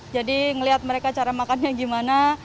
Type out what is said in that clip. jadi melihat mereka cara makannya gimana